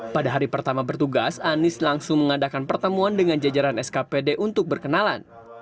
pada hari pertama bertugas anies langsung mengadakan pertemuan dengan jajaran skpd untuk berkenalan